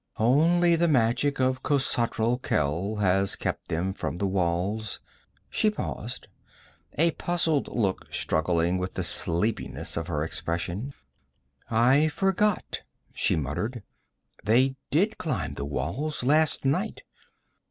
Only the magic of Khosatral Khel has kept them from the walls ' She paused, a puzzled look struggling with the sleepiness of her expression. 'I forgot,' she muttered. 'They did climb the walls, last night.